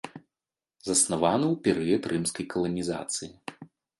Заснаваны ў перыяд рымскай каланізацыі.